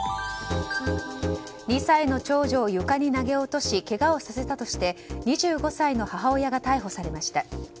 ２歳の長女を床に投げ落としけがをさせたとして２５歳の母親が逮捕されました。